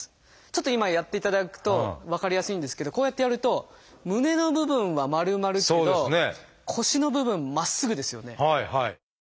ちょっと今やっていただくと分かりやすいんですけどこうやってやると胸の部分は丸まるけど腰の部分まっすぐですよね。